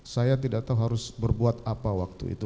saya tidak tahu harus berbuat apa waktu itu